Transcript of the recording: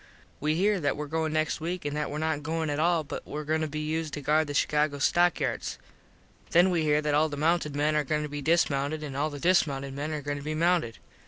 We here that were going next week an that were not goin at all but were goin to be used to guard the Chicago stock yards. Then we here that all the mounted men are goin to be dismounted an all the dismounted men are goin to be mounted.